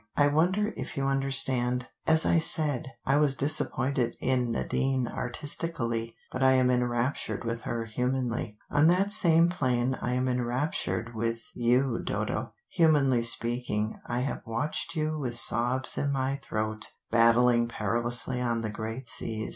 I wonder if you understand. As I said, I was disappointed in Nadine artistically, but I am enraptured with her humanly. On that same plane I am enraptured with you, Dodo. Humanly speaking, I have watched you with sobs in my throat, battling perilously on the great seas.